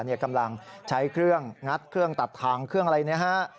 กำลังใช้เครื่องงัดเครื่องตัดทางเครื่องอะไรนะฮะ